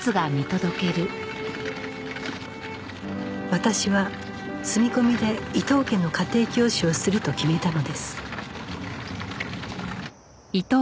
私は住み込みで伊藤家の家庭教師をすると決めたのです